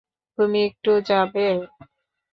তুমি একটু যাবে?